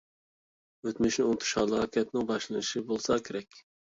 ئۆتمۈشنى ئۇنتۇش ھالاكەتنىڭ باشلىنىشى بولسا كېرەك.